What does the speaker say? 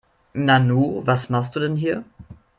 Nanu, was machst du denn hier?